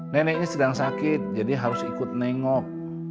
neneknya sedang sakit jadi harus ikut nengok